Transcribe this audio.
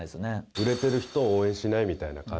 売れてる人を応援しないみたいな感じで。